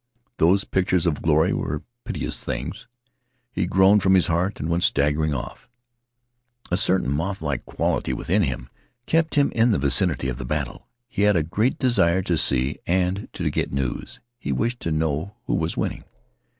Those pictures of glory were piteous things. He groaned from his heart and went staggering off. A certain mothlike quality within him kept him in the vicinity of the battle. He had a great desire to see, and to get news. He wished to know who was winning.